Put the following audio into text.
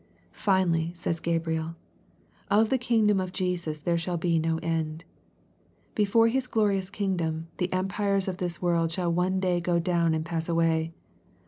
Finally, says Gabriel, " Of the kingdom of Jesus there shall be no end." Before His glorious kingdom, the em pires of this world shall one day go down and pass away.